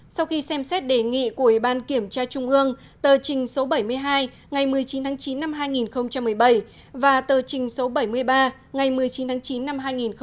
sau khi xem xét đề nghị của ủy ban kiểm tra trung ương tờ trình số bảy mươi hai ngày một mươi chín tháng chín năm hai nghìn một mươi bảy và tờ trình số bảy mươi ba ngày một mươi chín tháng chín năm hai nghìn một mươi tám